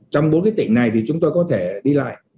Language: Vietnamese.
trong bốn cái tỉnh này thì chúng tôi có thể đi lại